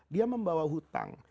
dia membawa hutang